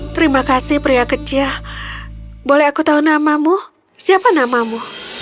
terima kasih pria kecil boleh aku tahu namamu siapa namamu